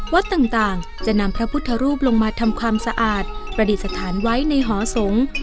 วัดต่างจะนำพระพุทธรูปลงมาทำความสะอาดประดิษฐานไว้ในหอสงฆ์